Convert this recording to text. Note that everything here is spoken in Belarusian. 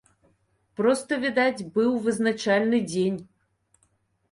Проста, відаць, быў вызначальны дзень.